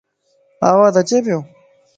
آواز اچي پيو؟